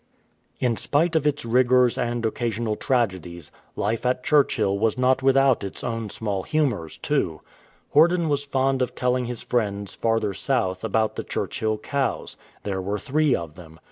In spite of its rigours and occasional tragedies, life at Churchill was not without its own small humours too. Horden was fond of telling his friends farther south about N 193 THE TAILLESS COAV the Churchill cows. There were three of them.